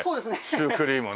シュークリームね。